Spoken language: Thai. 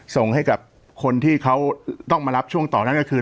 ส่งให้กับคนที่เขาต้องมารับช่วงต่อนั่นก็คือ